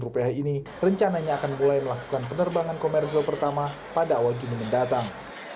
rp dua enam triliun ini rencananya akan mulai melakukan penerbangan komersil pertama pada awal juni mendatang